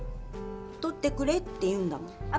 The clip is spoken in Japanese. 取ってくれって言うんだもん。